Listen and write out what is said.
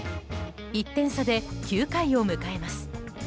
１点差で９回を迎えます。